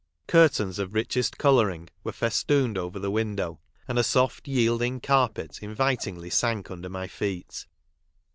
Curtains of richest colouring were^ festooned over the window, and a soft yielding^ carpet invitingly sank under my feet.